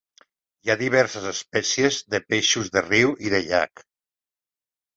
Hi ha diverses espècies de peixos de riu i de llac.